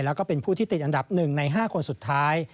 แล้วก็เป็นผู้ที่ติดอันดับ๑ใน๕คนสุดท้าย